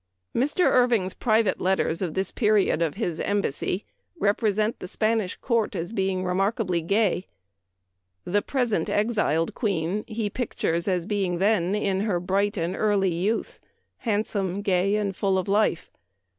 Mr. Irving's private letters of this period of his Embassy represent the Spanish court as being remarkably gay. The present exiled Queen 276 Memoir of Washington Irving. he pictures as being then in her bright and early youth, handsome, gay, and full of life.